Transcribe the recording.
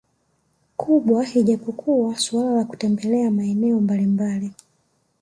kubwa ijapokuwa suala la kutembelea maeneo mbalimbali